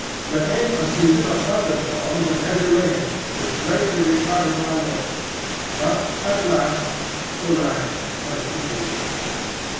There came a season of thunder storms and heavy rain, which greatly retarded my work; but at last the raft was completed.